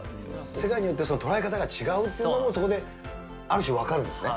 世界によって捉え方が違うっていうのが、そこである種、分かるんですね。